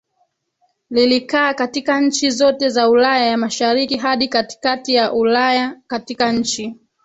lilikaa katika nchi zote za Ulaya ya Mashariki hadi katikati ya Ulaya Katika nchi